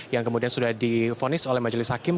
yang kemudian sudah difonis oleh majelis hakim